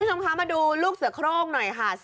คุณผู้ชมคะมาดูลูกเสือโครงหน่อยค่ะ